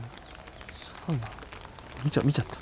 見ちゃった。